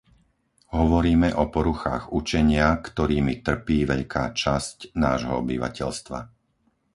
Hovoríme o poruchách učenia, ktorými trpí veľká časť nášho obyvateľstva.